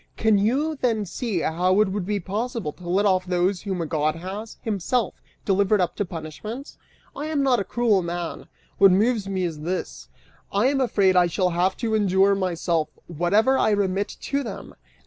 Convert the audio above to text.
Can you then see how it would be possible to let off those whom a god has, himself, delivered up to punishment? I am not a cruel man; what moves me is this: I am afraid I shall have to endure myself whatever I remit to them!"